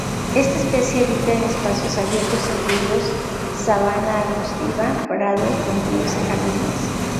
Esta especie habita en espacio abiertos, incluidos sabana arbustiva, prados, plantíos y jardines.